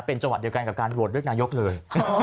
เป็นจวดเดียวกันกับการรวดเรียกนายกเลย